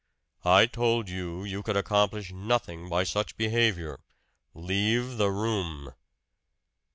"I told you you could accomplish nothing by such behavior. Leave the room!"